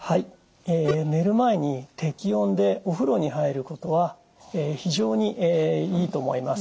寝る前に適温でお風呂に入ることは非常にいいと思います。